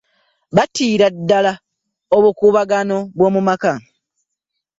Batiira ddala obukubaganobw'omumaka .